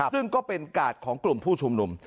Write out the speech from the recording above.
ซึ่งก็เป็นกาดของกลุ่มผู้ชุมนุม